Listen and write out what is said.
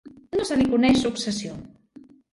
No se li coneix successió.